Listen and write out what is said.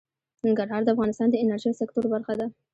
ننګرهار د افغانستان د انرژۍ سکتور برخه ده.